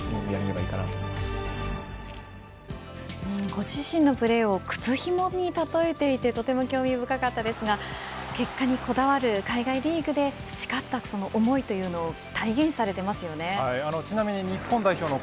ご自身のプレーを靴ひもにたとえていてとても興味深かったですが結果にこだわる海外リーグで培った思いというのを日本代表の